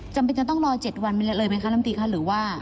จำเป็นจะต้องรอ๗วันเลยไหมคะลำตีคะหรือว่า